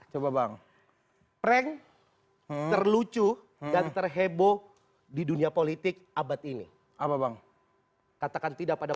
coba bang prank terlucu dan terheboh di dunia politik abad ini apa bang katakan tidak pada